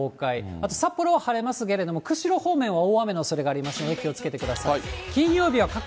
あと札幌は晴れますけれども、釧路方面は大雨のおそれがありますので、気をつけてください。